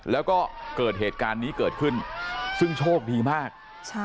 แล้วก็เกิดเหตุการณ์นี้เกิดขึ้นซึ่งโชคดีมาก